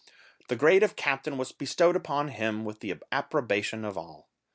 The grade of captain was bestowed upon him with the approbation of all.